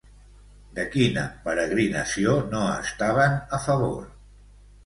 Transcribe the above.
De quina peregrinació no estaven a favor?